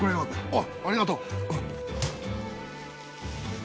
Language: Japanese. あっありがとう。